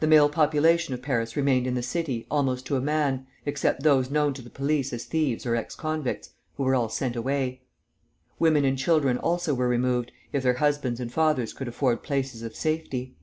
The male population of Paris remained in the city, almost to a man, except those known to the police as thieves or ex convicts, who were all sent away. Women and children also were removed, if their husbands and fathers could afford places of safety.